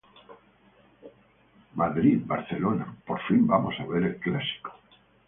Madrid, Barcelona, por fin vamos a ver el clásico